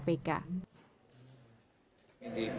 pemeriksaan ini berhasil